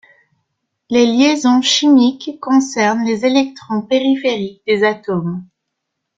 Les liaisons chimiques concernent les électrons périphériques des atomes.